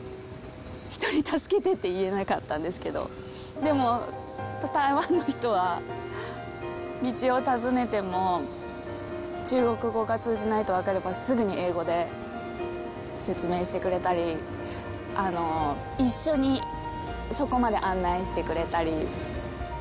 人に助けてって言えなかったんですけど、でも台湾の人は、道を尋ねても、中国語が通じないと分かればすぐに英語で説明してくれたり、一緒にそこまで案内してくれたり。